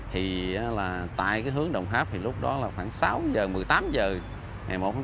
thì là tại cái hướng đồng tháp thì lúc đó là khoảng sáu giờ một mươi tám giờ ngày một hôm tám